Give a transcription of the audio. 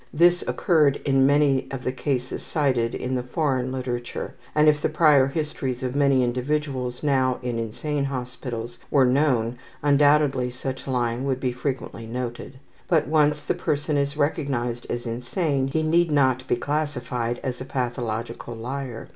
This occurred in many of the cases cited in the foreign literature, and if the prior histories of many individuals now in insane hospitals were known undoubtedly such lying would be frequently noted. But once the person is recognized as insane he need not be classified as a pathological liar.